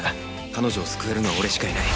彼女を救えるのは俺しかいない。